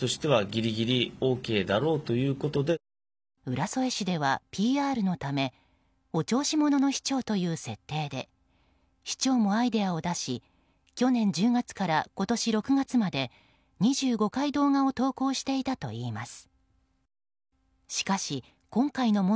浦添市では、ＰＲのためお調子者の市長という設定で市長もアイデアを出し去年１０月から今年６月まで２５回動画を投稿していたといいます。